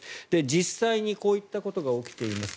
実際にこういったことが起きています。